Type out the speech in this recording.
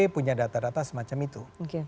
punya data data semacam itu